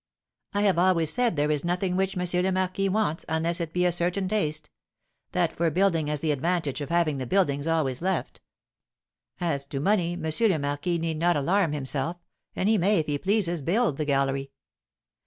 "I have always said there is nothing which M. le Marquis wants, unless it be a certain taste. That for building has the advantage of having the buildings always left; as to money, M. le Marquis need not alarm himself, and he may, if he pleases, build the gallery."